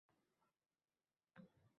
Quvada asil koning – mevai Fargʼonasan.